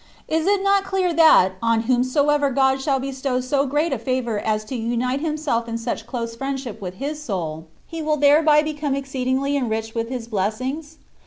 Is it not clear that on whom soever God shall biestow so great a favour as to imite Himself in such close firiendship with his soul, he will thereby become exceedingly enriched with His blessings